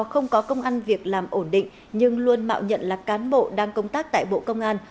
không có công ăn việc làm ổn định nhưng luôn mạo nhận là cán bộ đang công tác tại bộ công an